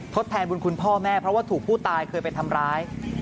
แทนบุญคุณพ่อแม่เพราะว่าถูกผู้ตายเคยไปทำร้าย